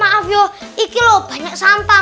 maaf yuk ini banyak sampah